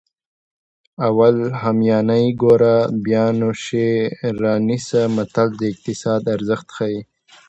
اول همیانۍ ګوره بیا نو شی رانیسه متل د اقتصاد ارزښت ښيي